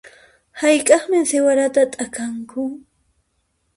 Hayk'aqmi siwarata t'akanku?